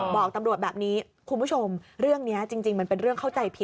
บอกตำรวจแบบนี้คุณผู้ชมเรื่องนี้จริงมันเป็นเรื่องเข้าใจผิด